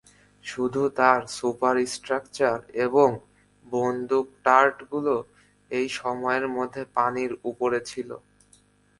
শুধু তার সুপারস্ট্রাকচার এবং বন্দুক টার্টগুলো এই সময়ের মধ্যে পানির উপরে ছিল।